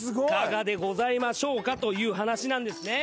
いかがでございましょうかという話です。